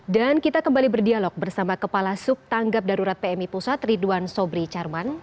dan kita kembali berdialog bersama kepala suk tanggap darurat pmi pusat ridwan sobri charman